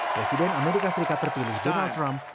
presiden amerika serikat terpilih donald trump